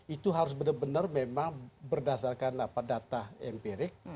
itu harus benar benar memang berdasarkan data empirik